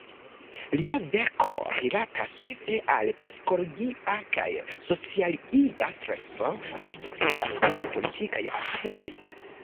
Lia verko rilatas ĉefe al psikologia kaj sociologia streso, historiaj kaj politikaj aferoj.